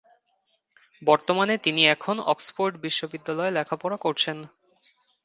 বর্তমানে তিনি এখন অক্সফোর্ড বিশ্ববিদ্যালয়ে লেখাপড়া করছেন।